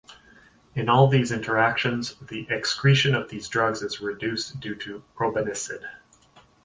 In all these interactions, the excretion of these drugs is reduced due to probenecid.